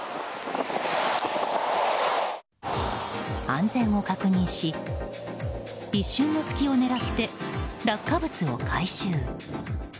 安全を確認し、一瞬の隙を狙って落下物を回収。